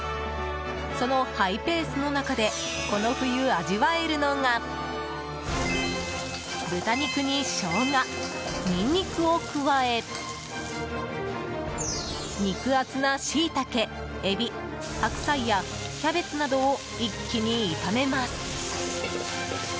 そのハイペースの中でこの冬、味わえるのが豚肉にショウガ、ニンニクを加え肉厚なシイタケ、エビ白菜やキャベツなどを一気に炒めます。